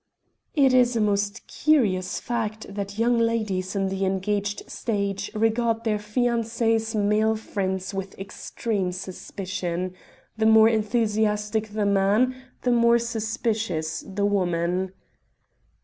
It is a most curious fact that young ladies in the engaged stage regard their fiancé's male friends with extreme suspicion; the more enthusiastic the man, the more suspicious the woman.